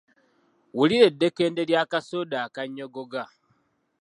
Wulira eddekende lya kasoda akannyogoga!